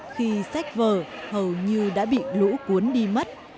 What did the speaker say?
khi sách vở hầu như đã bị lũ cuốn đi mất